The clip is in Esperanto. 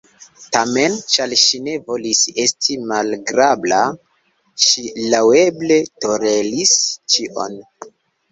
Tamen, ĉar ŝi ne volis esti malagrabla, ŝi laŭeble toleris ĉion.